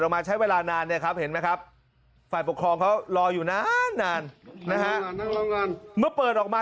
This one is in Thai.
มาใช้เวลานานเนี่ยครับเห็นไหมครับฝ่ายปกครองเขารออยู่นานนานนะฮะเมื่อเปิดออกมา